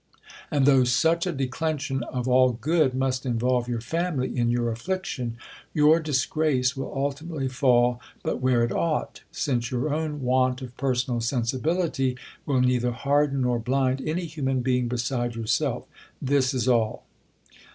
and though such a declension of all good must involve your family in your affliction, your disgrace will ultimately fall but where it ought; since your own want of personal sensi bility will neither harden nor blind any human being beside yourself. This is all.